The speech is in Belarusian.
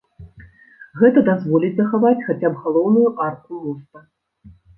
Гэта дазволіць захаваць хаця б галоўную арку моста.